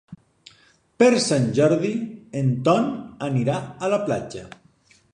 Per Sant Jordi en Ton anirà a la platja.